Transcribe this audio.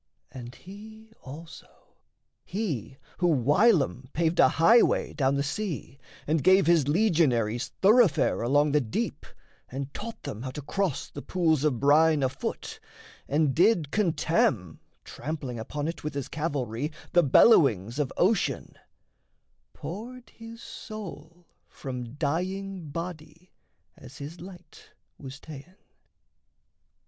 And he also, he Who whilom paved a highway down the sea, And gave his legionaries thoroughfare Along the deep, and taught them how to cross The pools of brine afoot, and did contemn, Trampling upon it with his cavalry, The bellowings of ocean poured his soul From dying body, as his light was ta'en.